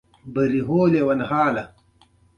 سترګې او ستونى يې راوکتل.